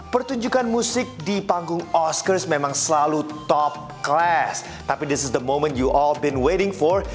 pertunjukan musik di panggung oscars memang selalu top crash tapi this is the momen you all ben wedding for